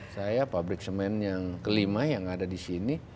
saya pabrik semen yang kelima yang ada di sini